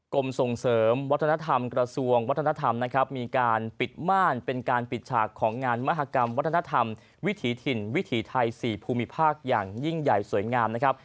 กรมส่งเสริมวัฒนธรรมกระทรวงวัฒนธรรมนะครับมีการปิดม่านเป็นการปิดฉากของงานมหากรรมวัฒนธรรมวิถีถิ่นวิถีไทย๔ภูมิภาคอย่างยิ่งใหญ่สวยงามนะครับ